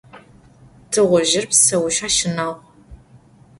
Tığuzjır pseuşshe şınağu.